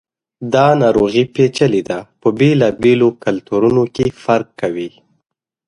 دا ناروغي پیچلي ده، په بېلابېلو کلتورونو کې فرق کوي.